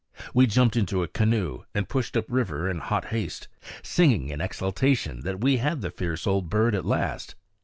We jumped into a canoe and pushed up river in hot haste, singing in exultation that we had the fierce old bird at last.